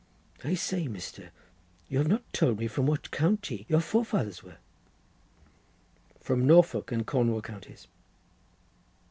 "I say, Mr., you have not told me from what county your forefathers were." "From Norfolk and Cornwall counties."